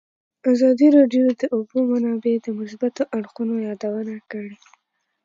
ازادي راډیو د د اوبو منابع د مثبتو اړخونو یادونه کړې.